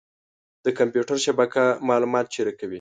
د کمپیوټر شبکه معلومات شریکوي.